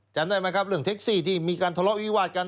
จำได้ไหมครับเรื่องเท็กซี่ที่มีการทะเลาะวิวาดกัน